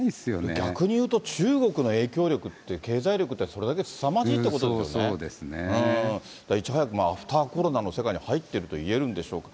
逆に言うと、中国の影響力って、経済力って、それだけすさまじいということでそうですね。いち早くアフターコロナの世界に入っているといえるんでしょうか。